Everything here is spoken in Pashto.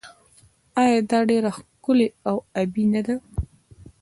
آیا دا ډیره ښکلې او ابي نه ده؟